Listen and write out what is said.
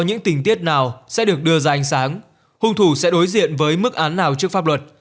những tình tiết nào sẽ được đưa ra ánh sáng hung thủ sẽ đối diện với mức án nào trước pháp luật